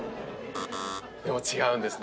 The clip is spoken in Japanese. でも違うんですね。